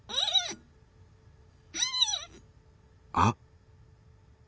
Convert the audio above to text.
あっ！